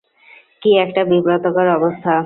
কি একটা বিব্রতকর অবস্থা।